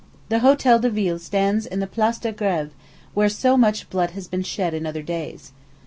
The Hotel de Ville stands in the Place de Grève, where so much blood has been shed in other days.